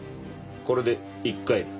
これで１回だ。